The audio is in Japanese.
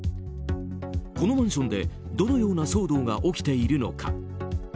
このマンションでどのような騒動が起きているのか。